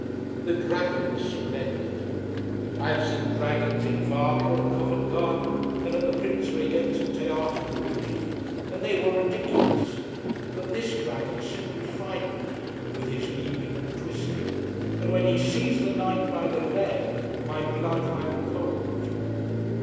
The dragon was splendid: I have seen dragons in Wagner, at Covent Garden and at the Prinz Regenten Theater in Munich, and they were ridiculous. But this dragon simply frightened me, with his leaping and twisting. And when he seized the knight by the leg, my blood ran cold.